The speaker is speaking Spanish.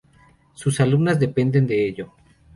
Sus almas dependen de ello.